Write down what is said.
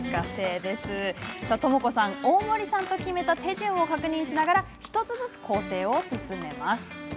ともこさん、大森さんと決めた手順を確認しながら１つずつ工程を進めます。